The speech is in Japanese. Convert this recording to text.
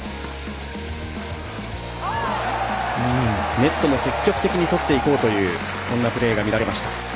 ネットも積極的に取っていこうというそんなプレーが見られました。